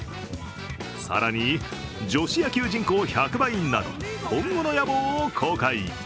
更に女子野球人口１００倍など今後の野望を公開。